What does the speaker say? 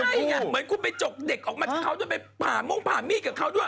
ใช่ไงเหมือนคุณไปจกเด็กออกมาจากเขาด้วยไปผ่าม่วงผ่ามีดกับเขาด้วย